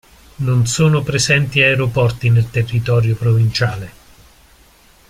Non sono presenti aeroporti nel territorio provinciale.